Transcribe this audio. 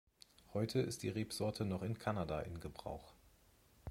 Heute ist die Rebsorte noch in Kanada in Gebrauch.